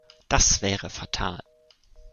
Das wäre fatal.